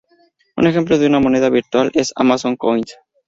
Un ejemplo de una moneda virtual es Amazon Coins.